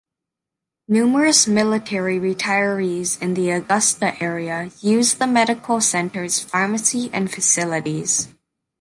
Numerous military retirees in the Augusta area use the medical center's pharmacy and facilities.